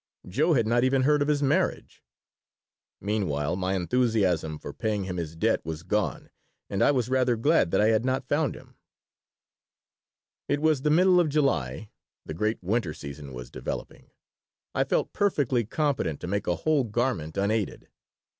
Joe had not even heard of his marriage. Meanwhile, my enthusiasm for paying him his debt was gone, and I was rather glad that I had not found him It was the middle of July. The great "winter season" was developing. I felt perfectly competent to make a whole garment unaided.